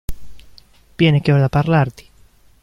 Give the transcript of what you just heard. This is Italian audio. Vieni che ho da parlarti.